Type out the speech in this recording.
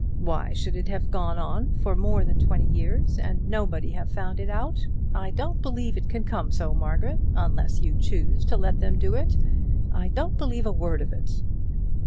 Why should it have gone on for more than twenty years, and nobody have found it out? I don't believe it can come so, Margaret, unless you choose to let them do it. I don't believe a word of it."